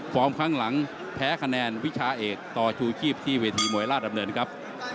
ครั้งหลังแพ้คะแนนวิชาเอกต่อชูชีพที่เวทีมวยราชดำเนินครับ